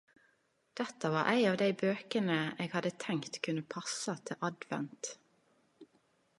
Dette var ei av dei bøkene eg hadde tenkt kunne passe til advent......